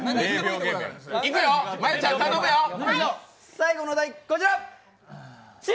最後のお題、こちら。